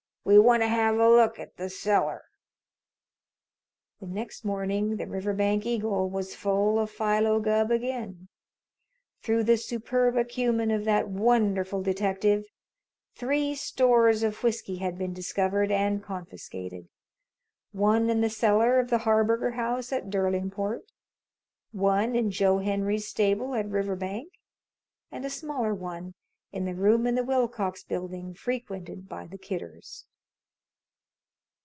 We want to have a look at the cellar." The next morning the "Riverbank Eagle" was full of Philo Gubb again. Through the superb acumen of that wonderful detective, three stores of whiskey had been discovered and confiscated one in the cellar of the Harburger House at Derlingport; one in Joe Henry's stable at Riverbank; and a smaller one in the room in the Willcox Building frequented by the "Kidders."